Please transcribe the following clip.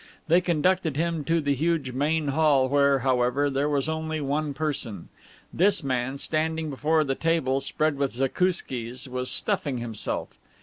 They conducted him to the huge main hall, where, however, there was only one person. This man, standing before the table spread with zakouskis, was stuffing himself.